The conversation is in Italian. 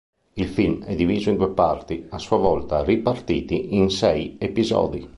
Il film è diviso in due parti, a sua volta ripartiti in sei episodi.